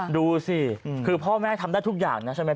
ดูสิคือพ่อแม่ทำได้ทุกอย่างนะใช่ไหม